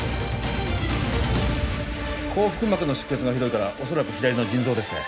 後腹膜の出血がひどいから恐らく左の腎臓ですね